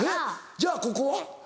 じゃあここは？